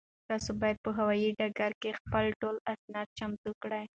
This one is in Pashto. تاسو باید په هوایي ډګر کې خپل ټول اسناد چمتو کړئ.